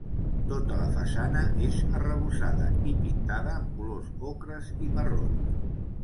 Tota la façana és arrebossada i pintada amb colors ocres i marrons.